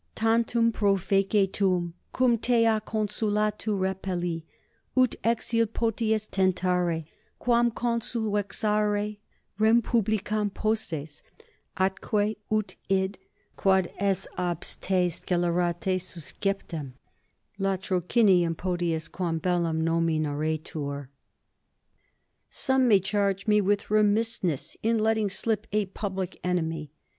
Tantum profeci tum, cum te a consulatu reppuli, ut 27 exsul potius tentare quam consul vexare rem publicam posses, atque ut id, quod est abs te scelerate susceptum, latrocinium potius quam bellum nominaretur. _Some may charge me with remissness in letting slip a public enemy.